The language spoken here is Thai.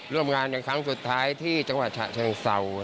ร่วมงานอย่างครั้งสุดท้ายที่จังหวัดฉะเชิงเศร้า